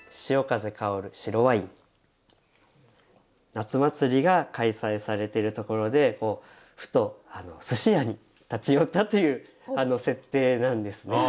夏祭りが開催されてるところでふとすし屋に立ち寄ったという設定なんですね。